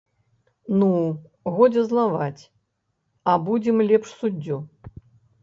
Ну, годзе злаваць, абудзім лепш суддзю.